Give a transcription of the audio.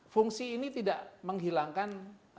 fungsi ini tidak menghilangkan